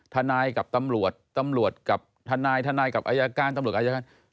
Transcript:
ทนายกับตำรวจตำรวจกับทนายทนายกับอายการตำรวจอายการ